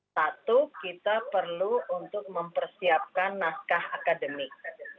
satu kita perlu untuk mempersiapkan naskah akademik